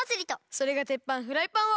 「それがテッパンフライパン」を。